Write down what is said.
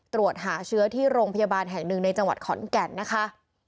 ตรวจหาเชื้อที่โรงพยาบาลแห่งหนึ่งในจังหวัดขอนแก่นนะคะ